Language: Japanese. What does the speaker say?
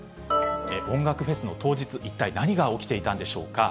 音楽フェスの当日、一体何が起きていたんでしょうか。